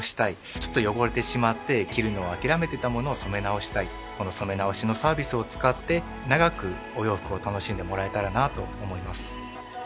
ちょっと汚れてしまって着るのを諦めてたものを染め直したいこの染め直しのサービスを使って長くお洋服を楽しんでもらえたらなと思います